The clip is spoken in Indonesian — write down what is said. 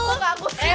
kok kagum sih